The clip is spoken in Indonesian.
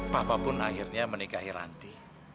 papa pun akhirnya menikahi ranti